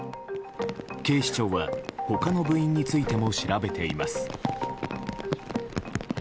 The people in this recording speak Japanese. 警視庁は、他の部員についても調べています。